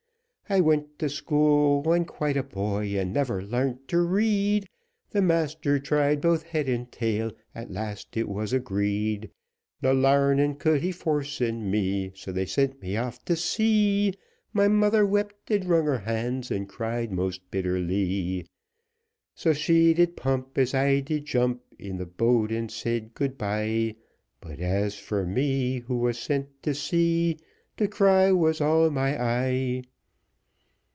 I went to school when quite a boy, and never larnt to read, The master tried both head and tail at last it was agreed No larning he could force in me, so they sent me off to sea, My mother wept and wrung her hands, and cried most bitterly. So she did pump, As I did jump In the boat, and said, "Good bye;" But as for me, Who was sent to sea, To cry was all my eye.